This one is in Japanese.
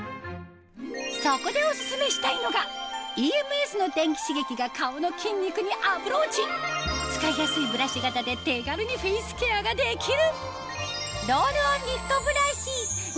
そこでオススメしたいのがＥＭＳの電気刺激が顔の筋肉にアプローチ使いやすいブラシ型で手軽にフェイスケアができる